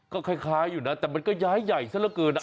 ก็คล้ายอยู่นะแต่มันก็ย้ายใหญ่ซะละเกิน